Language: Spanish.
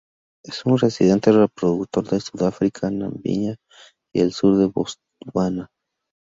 Es un residente reproductor de Sudáfrica, Namibia y el sur de Botswana.